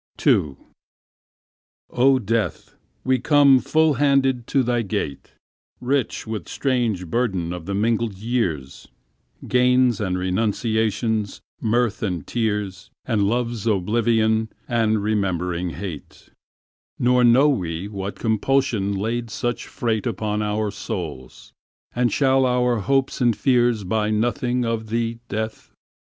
IIO Death, we come full handed to thy gate, Rich with strange burden of the mingled years, Gains and renunciations, mirth and tears, And love's oblivion, and remembering hate, Nor know we what compulsion laid such freightUpon our souls—and shall our hopes and fearsBuy nothing of thee, Death?